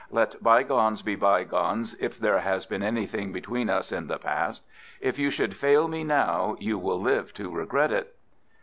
Let bygones be bygones if there has been anything between us in the past. If you should fail me now you will live to regret it."